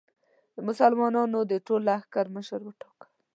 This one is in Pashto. د مسلمانانو د ټول لښکر مشر وټاکه.